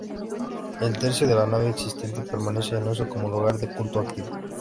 El tercio de la nave existente permanece en uso como lugar de culto activo.